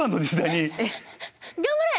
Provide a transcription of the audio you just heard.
頑張れ！